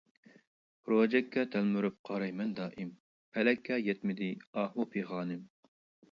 روجەككە تەلمۈرۈپ قارايمەن دائىم، پەلەككە يەتمىدى ئاھۇ-پىغانىم.